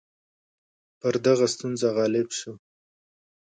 پر دغه ستونزه غالب شو.